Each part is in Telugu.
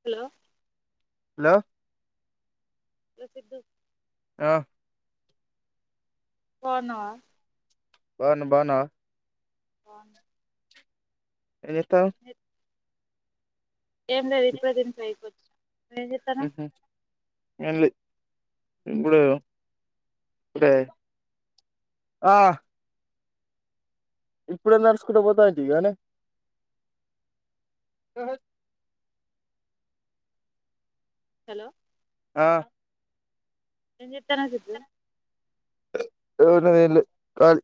తిరో హలో ప్రసిద్దు డ బాగున్నావా బావున్నా బావున్నావా బాన్ ఏం చెత్తావ్ ఏందో ఇప్పుడే తింటే అయిపోత్ ఏం చెత్తన్నావ్ ఏమి లే ఇప్పుడు ఇప్పుడే ఆ ఇప్పుడే నడుచుకుంట పోతాంటిగానే హలో ఆ ఏం చెత్తన్నావ్ సిద్ధూ [unintelligible] కాలీ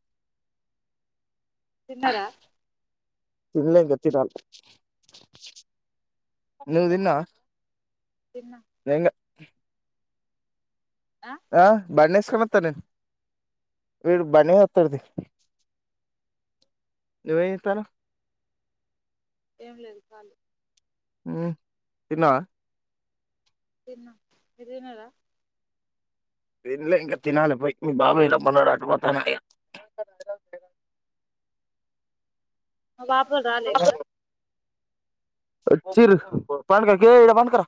తీన్నరా తిన్నలే ఇంకా తినాలి నువ్వు తిన్నావా తిన్నా వెంగా ఆ బండి సుకోస్త నేను వీడు బండి మీద వత్తాడు తీ నువ్వేం చెత్తన్నావ్ ఏం లేదు కాలి ఉ తిన్నావా తిన్నా మీరు తిన్నారా తినలే ఇంకా తినాలి పోయి మీ బాబాలా పన్నాడు అటుపోతాను మా బాపు వాళ్ళు రాలే ఇంకా వచ్చిర్రు పండుకో కే ఇడా పండుకోర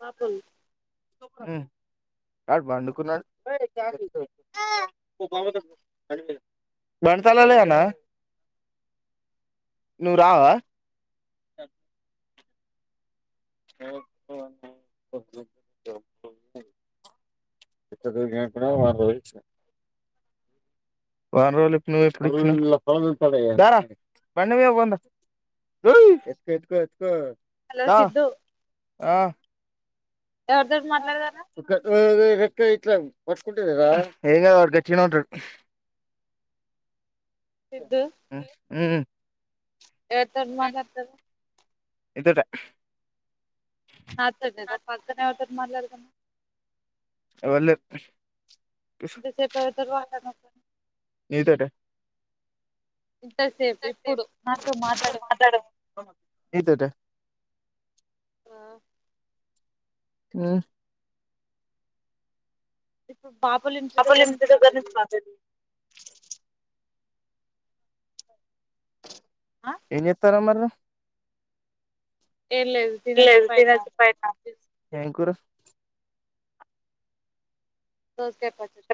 పాపయ్ ఉ వాడు పండుకున్నాడు బండి తాళాలు లెవ్ అన్న నువ్వు రావా [inaudible] [unintelligible] వారం పోయివచ్చిన వారం రోజులు ఇప్పుడు నువ్వు [unintelligible] ధారా బండి మీదా పోదాం రా వుయ్ ఎత్తుకో ఎత్తుకో ఎత్తుకో హలో దా సిద్ధు ఆ ఎవరితోటి మాట్లాడతన్నావ్ ఎత్తుకో ఓయ్ ఇట్లా పట్టుకుంటే కాదా ఏం వాడు గట్టిగానే ఉంటడు సిద్ధు ఊ ఎవరితోటి మాట్లాడుతున్నావ్ నితోటే నాతోటీ నా పద్ధానా ఎవరితో మాట్లాడుతున్నావ్ ఎవరు లేరు ఇంత సేపు ఎవరితోటి మాట్లాడుతున్నావ్ [inaudible] ఇంతసేపు ఇప్పుడు నాతో మాట్లాడ నేతోటె ఆ హ్మ్ బాపలు ఇంటి దగ్గర నుంచి బాతలు ఆ ఏం చేస్తన్నావ్ మరి ఏం లేదు తినొచ్చి [unintelligible] పైన ఏం కూర దోసకాయి పచ్చడి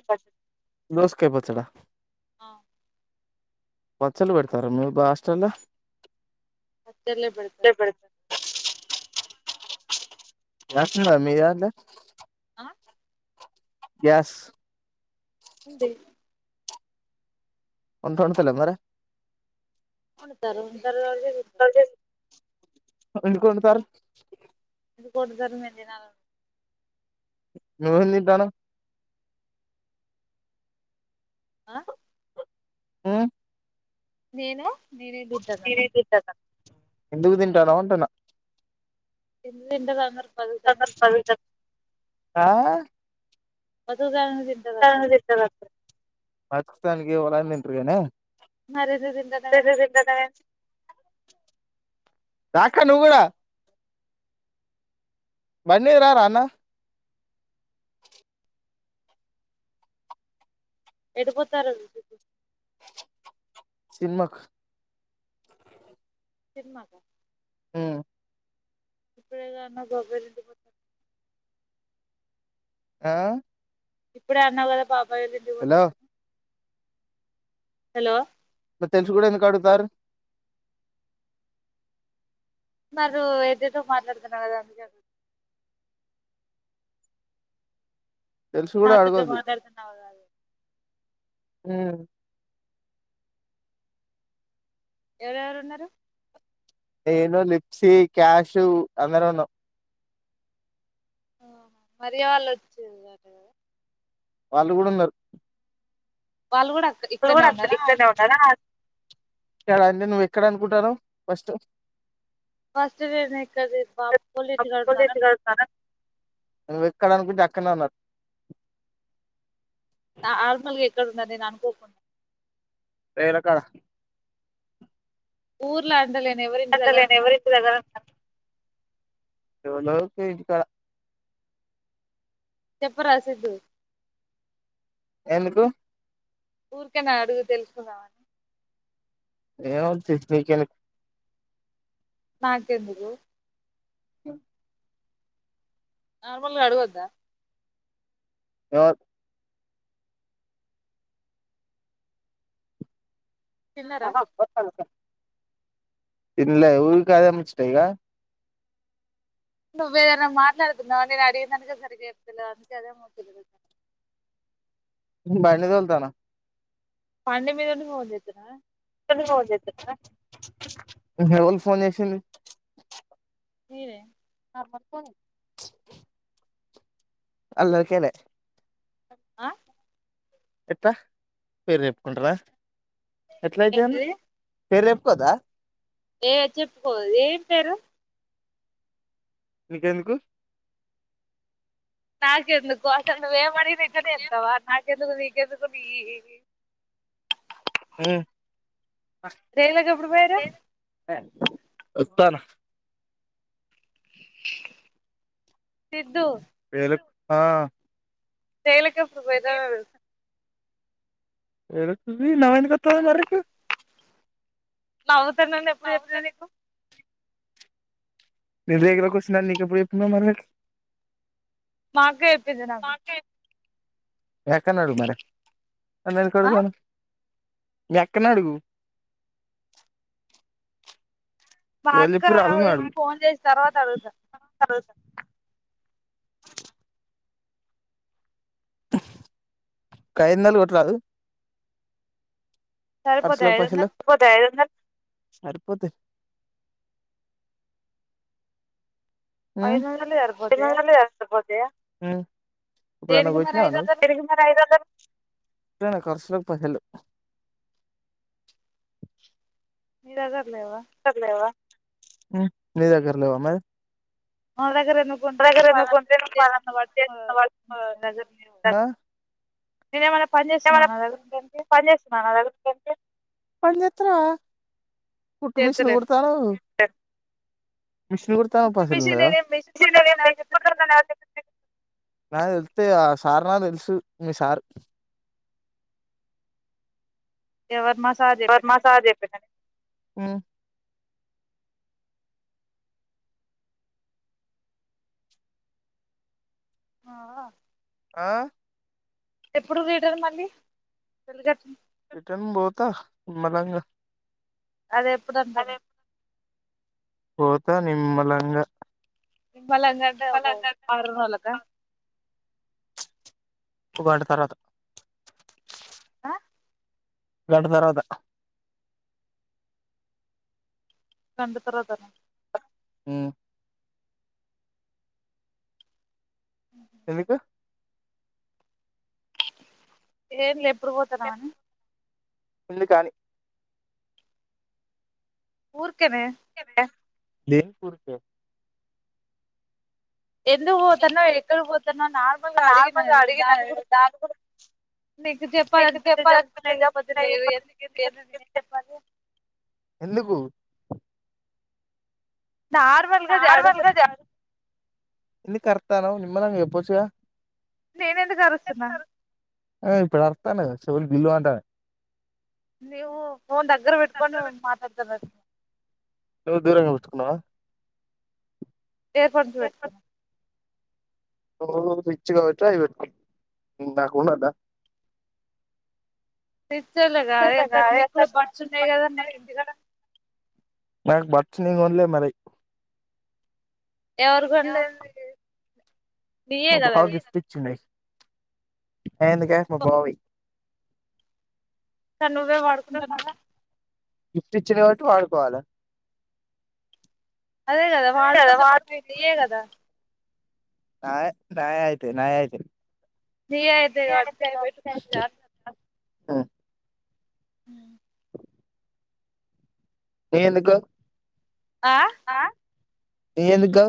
దోసకాయి పచ్చడా ఆ పచ్చడలు పెడతారా మీ బా హాస్టల్లో పచ్చడులేే బేడతారు పెడతారు గ్యాస్ ఉందా మీయెడల ఆ గ్యాస్ అంది ఉంటంటతలే అన్నర తారు ఉంటారు [inaudible] ఎందుకు వండుతారు వండుతారు నేను తినాలి నువ్వు ఏం తింటనావ్ ఆ హ్మ్ నేను నేనే తింటాను ఎందుకు తింటానవ్ అంటున్న ఏం తింటారు అందరూ ఆ [unintelligible] అందరు బతుకుతానికి ఎవరు అన్న తింటారు కానీ మరి రోజు తింటున్నావ్ ఎ రా అక్క నువ్వు కూడా బడి రా రా అన్న వస్తారు వాళ్ళు ఉమ్మక్ సినిమాగా మ్మ్ ఇప్పుడేగా అన్నావ్ బాబాయ్ వాళ్ళ ఇంటికి పోత అని ఆ ఇప్పుడే అన్నావ్ కదా బాబాయ వాళ్ళ ఇంటికి పోత హలో అని హలో తెల్సి కూడా ఎందుకు అడుగుతారు మీరు ఏదైతో మాట్లాడుతున్నారు కదా అందుకే తెలుసు కూడా పెద్దగా మాట్లాడుతున్నావ్ కథ హ్మ్ ఎవరెవరు ఉన్నారు నేను లిప్సి క్యాషు అందరం ఉన్నాం ఆ మర్యా వాళ్ళు వచ్చిరు అంట కదా వాళ్ళు కూడా ఉన్నారు వాళ్ళు కూడా అక్క ఇరు ఇక్కడనే కూడా అంత ఉన్నారా ఇక్కడనే ఉన్నారా ఇక్కడ అండి నువ్వు ఎక్కడ అనుకుంటాను ఫస్ట్ నువ్వు [unintelligible] ఎక్కడ అనుకుంటే అక్కడనే ఉన్నారు నార్మల్ గ ఎక్కడ ఉన్నారు నేన్ అనుకోకుండ లేనక్క ఊర్లో అండలేమ్ అసలు నేను ఎవరి ఇంటి దగ్గర ఉండను ఎవర్నో పీకుతా చెప్పరా సిద్ధు ఎందుకు ఊర్కేనా అడిగి తెలుసుకుందామని ఏం ఉంది షెడ్ పికెయలీ నాకెందుకు ఆ నార్మల్గా అడుగొద్దా రాకు తిన్నారా ఇంద లా ఊరు కాద ముచ్చటెగా నువ్వు ఏదైనా మాట్లాడుతున్నావ నేను అడిగినదానికె సరిగ్గా చెప్తులే అందుకే అదే ముచ్చట అడుగుతున్న బండి తోల్ త్తన పండి మీద ఉండి ఫోన్ జెత్తునవా ఫోన్ జెత్తునావ ఎవల్ ఫోన్ చేసింది మీరే నార్మల్ ఫోనే అల్ల్ ఒకేనే ఆ.... ఎట్ట పేరు చెప్పుకుంట్ర ఎట్లా అయితే అన్న ఏంటిది పేరు చెప్పుకోవద్దా ఏ చెప్పుకోదు ఏం పేరు నికేందుకు నాకు ఎందుకోసం నువ్వు ఏం అడిగిన ఇట్లనే చెప్తావ నా నీకు ఎందుకు నీకు ఎందుకు నీయి హ్మ్ రేల్లోకి ఎప్పుడు పోయారు దాన సిద్ధు ఏలుక్ ఆహ్హ్ జయలికప్పుడు పోయిదా విసా నవ్వేందుకొత్తొది అర్ర్ నీకు నవ్వుతున్నా అని ఎప్పుడు చెప్పినా నీకు ఇంటి దగ్గరే కుర్చున అని నీకు ఎప్పుడు చెప్పినా మరి నీకు మా అక్క ఎప్పింది నాకు మీ అక్కను అడుగు మరి నన్ను ఎందుకు ఆ అడుగుతన్నావ్ మీ అక్కని అడుగు మా ఎవలు అక్క చెప్పిర్రో ఆళ్ళను ఫోన్ చేసి తర్వాత అడుగుతా అడుగుతాను ఒక ఐదొందలు కొట్టరాదు పర్స్ సరిపోతాయి లోకి ఐదు పైసల్ వందలు లేవ్ సరిపోతయ్ హ్మ్ ఐదు వందలు సరిపోతాయా ఐదొందల్ అన్న ఎస్తావ జయ హ్మ్ ఇప్పుడు ఎవన్నా దేనికి మరి గొట్టినావ ఐదు నువ్వు వందలు పెరిగిందా ఐదొందలు ఒరేయ్ నాకస్సల్ పైసల్ లేవ్ [unintelligible] హ్మ్ నీ దగ్గర లేవా మరి ఎవర్ దగర నువ్వు నా ఉంటే దగ్గర ఎందుకు ఉంటే నువ్వు పని చేస్తున్న వాళ్ళు [unintelligible] నేనెమన్నా ఏమన్నా పని చేస్తున్నారా పని చేస్తార కుట్టు మిషన్ చేద్దలేను కుడుతున్నావ్ [inaudible] మిషన్ కుడతన్నావ్ కుట్టు పైసల్ మిషన్ ఉన్నాయ నేనేం మిషన్ కుడతానని ఎవరు చెప్పింది నీకు అసలు నాక్ తెల్సు అయితే ఆ సార్ నాక్ తెలుసు మీ సార్ ఎవరి మాస్ ఎవర్ మా సార్ చెప్పిర్ ఆహా ఆ ఎప్పుడు రీడర్ మళ్ళీ రిటర్న్ బోత నిమలంగా అది ఎప్పుడనారు పోత నిమ్మలంగా నిమ్మలంగేనే పో వాళ్ళందరినీ అరుణార్లక ఒక గంట తర్వాత గంట తర్వాత గంట తరువాతనా హ్మ ఎందుకు ఏం లే ఎప్పుడు పోతానవనీ ఎందుకని ఊర్కనే [unintelligible] ఎందుకు పోతునవ్ ఎక్కడికి పోతునోవ్ నార్మల్ గా అడిగన నార్మల్గా అడిగిన దానిక్ కూడా దాని గురించి నీకు నీకు చెప్పాలిఅనిపితే చెప్పు చెప్పాలనిపిస్తే లేకపోతే లేదు లేకపోతే ఎందుకు ఎందుకంటే నేనేం చెప్పాలి ఎందుకు నార్మల్గా నార్మల్గా జడుగుతున్నా చెప్పు ఎందుకు అరుతునవ్ నిమ్మలంగా చేపచ్చు కదా నేనఎందుకు అరుస్తున్న ఆ ఇప్పుడు అర్తనేవే చెవులు గిల్వ అంటేనయ నీవు ఫోన్ దగ్గరబట్కకొని మాట్లాడతానవ నువ్వు దూరంగా పెట్టుకునవా ఎయిర్పోడ్స్ పెట్టుకున్న నువ్వు రిచ్ కాబట్టు అవి పెట్టుకునవ్ నాక్ వుండదా రిచోలా కాద నీకీ కూడా బడ్స్ ఉనాయి కదా ఇంటికాడ నాక్ బడ్స్ [unintelligible] మరి ఎవరుకొనలేద మరి మా బావ గిఫ్ట్ ఇచ్చింది ఏ ఎందుక మ బావి స నువ్వే అ వాడుకుంటానవ్గ్ గిఫ్ట్ ఇచ్చిన కాబట్టి వాడుకోవాలా అదే కదా వాడుకుంట [unintelligible] కదా నా నాయ అయితే నాయ అయితే నీవయితేకథ పెట్టుకోవచ్చు కదా హ్మ హ్మ నేనెందుకు? ఆ నేనెందుకు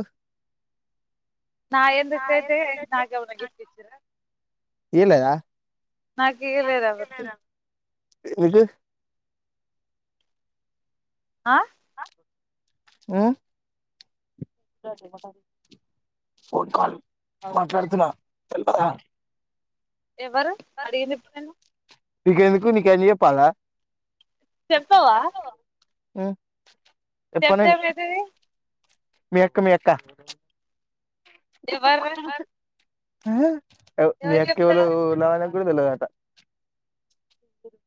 నాయేందుకయితయ్ ఎందుకైతయి నాకేవర్న్ గిఫ్ట్ ఇచ్చిర్రా ఇయ్యలేదా నాకియ్యలేదెవ్వరు నికి ఆ ఉమ్ గట్లినపడింద్ ఫోన్ కాల్ మాట్లాడుతున్నా తెల్వదా ఎవరు అడిగిందిప్పుడు నిన్ను నీకేందుకు నికన్ని జెప్పాల్లా చెప్పవా ఉమ్ చెప్తేమైతది? మి అక్క మి అక్క ఎవర్రా మీ ఎవరు చెప్తారు అక్కయొల్లునాన్నగుడా [unintelligible]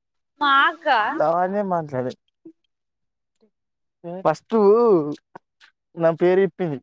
మా అక్క [unintelligible] ఫస్టూ నా పేరు చెప్పింది